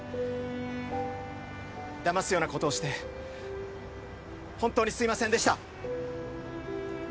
ダマすようなことをして本当にすいませんでした。